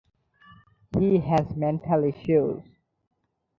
He has mental issues.